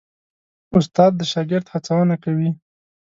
استاد د شاګرد هڅونه کوي.